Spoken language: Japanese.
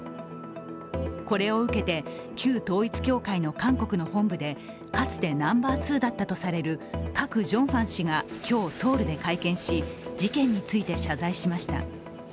これを受けて、旧統一教会の韓国の本部でかつてナンバー２だったとされるカク・ジョンファン氏が今日、ソウルで会見し、事件について謝罪しました。